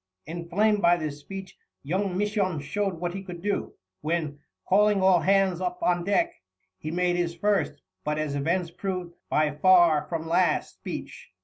Inflamed by this speech, young Misson showed what he could do, when, calling all hands up on deck, he made his first, but, as events proved, by far from last, speech.